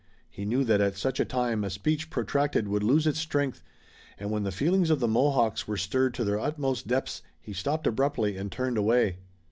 He knew that at such a time a speech protracted would lose its strength, and when the feelings of the Mohawks were stirred to their utmost depths he stopped abruptly and turned away.